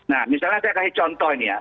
nah misalnya saya kasih contoh ini ya